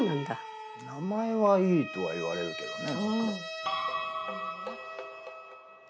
名前はいいとは言われるけどね。